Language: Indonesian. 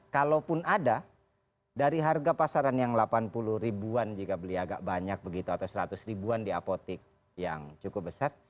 kalaupun ada dari harga pasaran yang delapan puluh ribuan jika beli agak banyak begitu atau seratus ribuan di apotek yang cukup besar